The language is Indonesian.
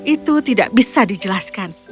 itu tidak bisa dijelaskan